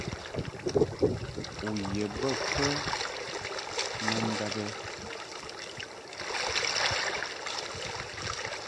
U ye bə kə ma ndab ɛ ?